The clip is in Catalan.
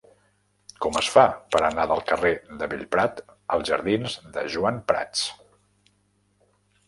Com es fa per anar del carrer de Bellprat als jardins de Joan Prats?